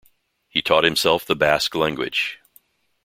He taught himself the Basque language.